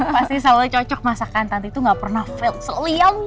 pasti selalu cocok masakan tante itu gak pernah field seliong